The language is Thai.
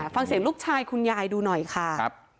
ฟังเสียงลูกชายคุณยายดูหน่อยค่ะ